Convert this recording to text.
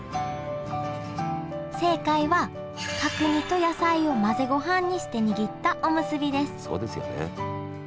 正解は角煮と野菜を混ぜごはんにして握ったおむすびですそうですよね。